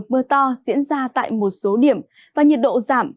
mưa to diễn ra tại một số điểm và nhiệt độ giảm